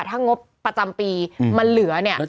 ถ้างบประจำปีมันเหลือ